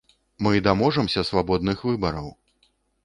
Мы даможамся свабодных выбараў!